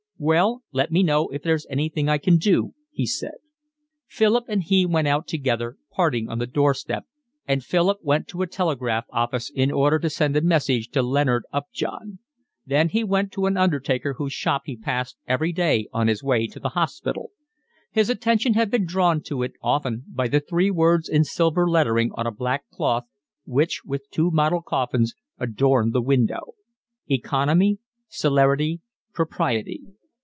"Well, let me know if there's anything I can do," he said. Philip and he went out together, parting on the doorstep, and Philip went to a telegraph office in order to send a message to Leonard Upjohn. Then he went to an undertaker whose shop he passed every day on his way to the hospital. His attention had been drawn to it often by the three words in silver lettering on a black cloth, which, with two model coffins, adorned the window: Economy, Celerity, Propriety.